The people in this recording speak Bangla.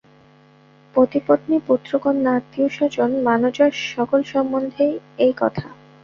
পতিপত্নী, পুত্রকন্যা, আত্মীয়স্বজন, মানযশ সকল সম্বন্ধেই এই কথা।